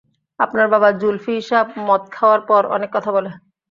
আপনার বাবা জুলফি সাব মদ খাওয়ার পর অনেক কথা বলে।